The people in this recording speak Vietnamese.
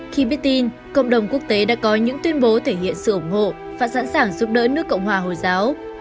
khi biết tin cộng đồng quốc tế đã có những tuyên bố thể hiện sự ủng hộ và sẵn sàng giúp đỡ nước cộng hòa hồi giáo